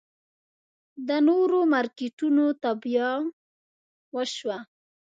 د نورو مارکېټونو تابیا وشوه.